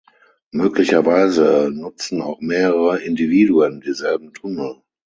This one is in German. Möglicherweise nutzen auch mehrere Individuen dieselben Tunnel.